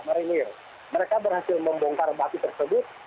dan mereka berhasil membongkar batu tersebut